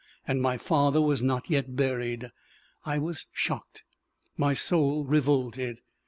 And my father was not yet buried! I was shocked. My soul revolted.